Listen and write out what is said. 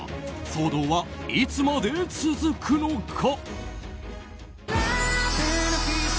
騒動はいつまで続くのか？